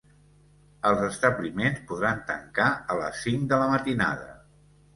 Els establiments podran tancar a les cinc de la matinada.